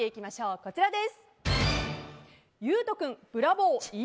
こちらです。